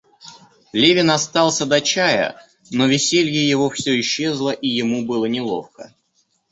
Левин остался до чая, но веселье его всё исчезло, и ему было неловко.